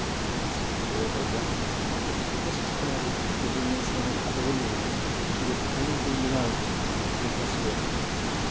In spite of all her roughness and temper, Mrs. Proudie was in this like other women, that she would fain have been loved had it been possible.